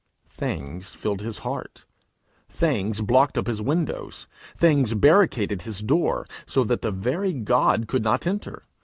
Things filled his heart; things blocked up his windows; things barricaded his door, so that the very God could not enter.